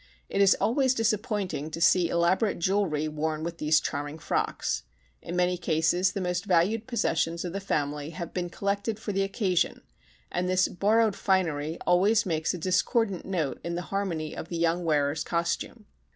It is always disappointing to see elaborate jewelry worn with these charming frocks. In many cases the most valued possessions of the family have been collected for the occasion and this borrowed finery always makes a discordant note in the harmony of the young wearer's costume.